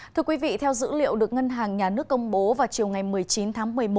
thưa quý vị theo dữ liệu được ngân hàng nhà nước công bố vào chiều ngày một mươi chín tháng một mươi một